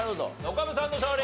岡部さんの勝利！